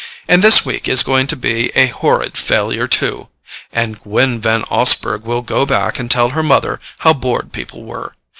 And this week is going to be a horrid failure too—and Gwen Van Osburgh will go back and tell her mother how bored people were.